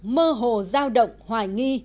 mơ hồ giao động hoài nghi